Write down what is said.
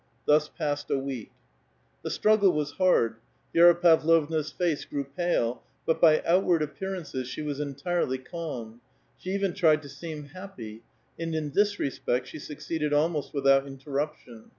Thus passed a week. Xlie struggle was hard. Vi<5ra Pavlovna's face grew pale, M' outward appearances, she was entirely calm ; she ^en ti'ied to seem happy, and in this respect she succeeded ImoBt without interruption.